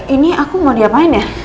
ini aku mau diapain ya